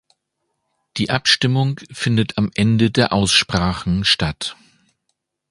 Die Abstimmung findet am Ende der Aussprachen statt.